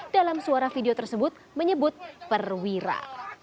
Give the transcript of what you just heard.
dalam suara video tersebut menyebut perwira